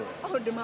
oh demam panggung